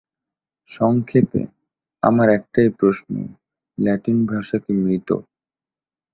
সংক্ষেপে, আমার একটাই প্রশ্নঃ ল্যাটিন ভাষা কি মৃত?